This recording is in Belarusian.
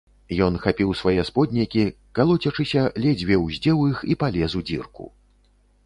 Ён хапіў свае споднікі, калоцячыся, ледзьве ўздзеў іх і палез у дзірку.